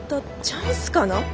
チャンスかな？」。